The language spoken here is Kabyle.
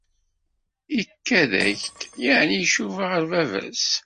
Ikad-ak-d yeɛni icuba ɣer baba-s?